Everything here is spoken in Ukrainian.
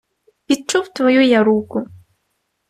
Відчув твою я руку